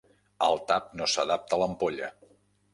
El tap no s'adapta a l'ampolla.